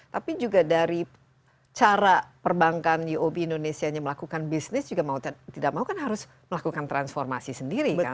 tapi juga dari cara perbankan uob indonesia nya melakukan bisnis juga mau tidak mau kan harus melakukan transformasi sendiri kan